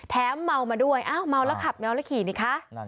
แถมเมามาด้วยเมาแล้วขับเมาแล้วขี่นี่คะ